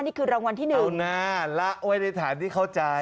๐๗๐๙๓๕นี่คือรางวัลที่๑เอาหน้าละไว้ในฐานที่เข้าใจ